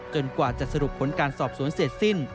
กว่าจะสรุปผลการสอบสวนเสร็จสิ้น